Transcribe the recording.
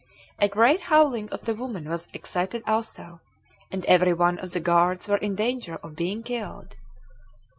A great howling of the women was excited also, and every one of the guards were in danger of being killed.